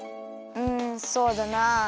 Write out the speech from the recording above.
うんそうだな。